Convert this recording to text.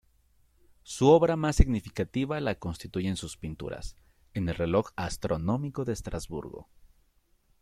Su obra más significativa la constituyen sus pinturas en el reloj astronómico de Estrasburgo.